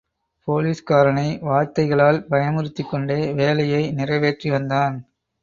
போலீஸ்காரனை வார்த்தைகளால் பயமுறுத்திக்கொண்டே வேலையை நிறைவேற்றிவந்தான்.